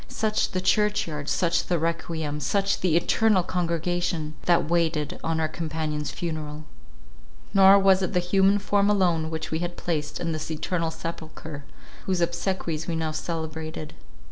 Such the church yard, such the requiem, such the eternal congregation, that waited on our companion's funeral! Nor was it the human form alone which we had placed in this eternal sepulchre, whose obsequies we now celebrated.